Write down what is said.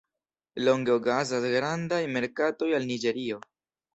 Longe okazas grandaj merkatoj al Niĝerio.